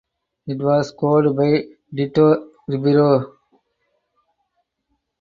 It was scored by Tito Ribero.